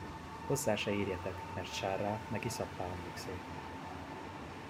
Hozzá se érjetek, mert sárrá meg iszappá omlik szét.